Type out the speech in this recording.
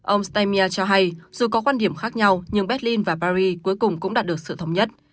ông stemmia cho hay dù có quan điểm khác nhau nhưng berlin và paris cuối cùng cũng đạt được sự thống nhất